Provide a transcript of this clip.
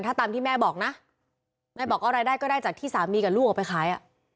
ถ้าตามที่แม่บอกนะแม่บอกว่ารายได้ก็ได้จากที่สามีกับลูกออกไปขายอ่ะ